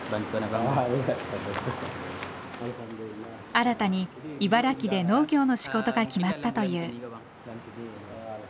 新たに茨城で農業の仕事が決まったという。